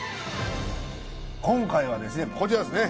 今回はですねこちらですね